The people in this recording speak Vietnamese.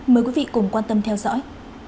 mời quý vị cùng quan tâm theo dõi